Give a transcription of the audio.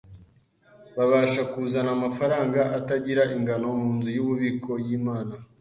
babasha kuzana amafaranga atagira ingano mu nzu y’ububiko y’Imana.